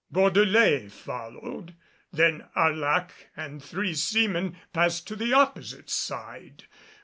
Bordelais followed. Then Arlac and three seamen passed to the opposite side.